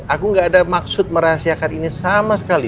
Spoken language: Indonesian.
aku gak ada maksud merahasiakan ini sama sekali